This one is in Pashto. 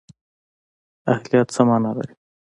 اهلیت څه مانا لري؟